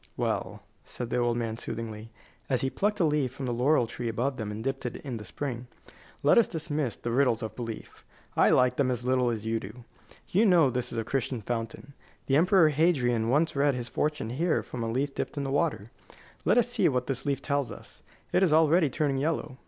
"Well," said the old man, soothingly, as he plucked a leaf from the laurel tree above them and dipped it in the spring, "let us dismiss the riddles of belief. I like them as little as you do. You know this is a Castalian fountain. The Emperor Hadrian once read his fortune here from a leaf dipped in the water. Let us see what this leaf tells us. It is already turning yellow.